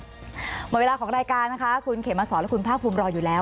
หมดเวลาของรายการนะคะคุณเขมสอนและคุณภาคภูมิรออยู่แล้ว